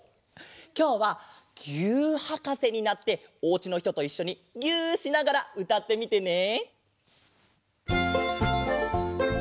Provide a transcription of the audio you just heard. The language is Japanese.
きょうは「ぎゅーっはかせ」になっておうちのひとといっしょにぎゅしながらうたってみてね！